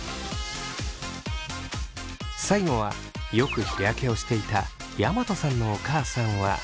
最後はよく日焼けをしていた山戸さんのお母さんは。